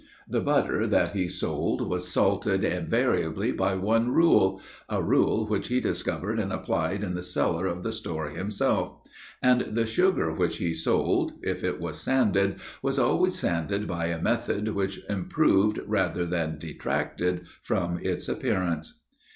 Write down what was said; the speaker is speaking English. The butter that he sold was salted invariably by one rule a rule which he discovered and applied in the cellar of the store himself; and the sugar which he sold, if it was sanded, was always sanded by a method which improved rather than detracted from its appearance."